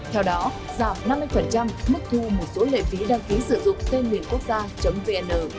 theo đó giảm năm mươi mức thu một số lệ phí đăng ký sử dụng tên miền quốc gia vn